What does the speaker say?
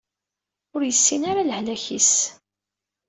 Ur yessin ara lehlak-is.